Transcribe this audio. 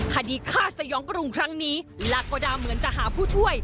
คดีฆ่าสยองกรุงครั้งนี้ลาโกดาเหมือนจะหาผู้ช่วย